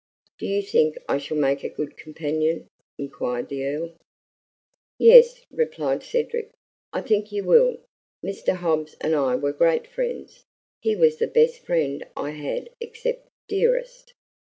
"Do you think I shall make a good companion?" inquired the Earl. "Yes," replied Cedric, "I think you will. Mr. Hobbs and I were great friends. He was the best friend I had except Dearest."